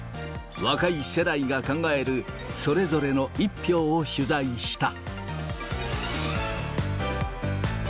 若い世代が考える、それぞれの１票を取材した。